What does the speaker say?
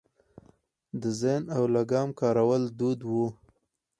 د زین او لګام کارول دود و